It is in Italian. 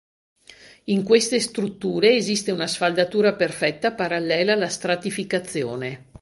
In queste strutture esiste una sfaldatura perfetta parallela alla stratificazione.